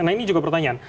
nah ini juga pertanyaan